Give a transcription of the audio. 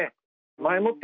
前もって